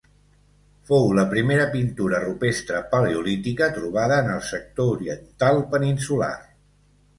Fou la primera pintura rupestre paleolítica trobada en el sector oriental peninsular.